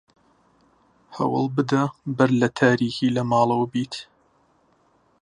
هەوڵ بدە بەر لە تاریکی لە ماڵەوە بیت.